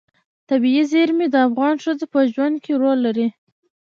طبیعي زیرمې د افغان ښځو په ژوند کې رول لري.